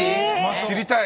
知りたい。